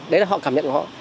đấy là họ cảm nhận của họ